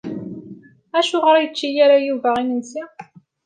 Acuɣer ur yečči ara Yuba imekli?